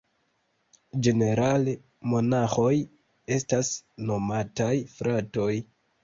Ĝenerale monaĥoj estas nomataj "fratoj".